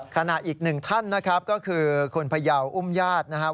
ขณะอีกหนึ่งท่านนะครับก็คือคุณพยาวอุ้มญาตินะครับ